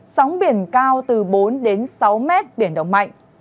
sóng biển cao từ bốn đến sáu mét biển động mạnh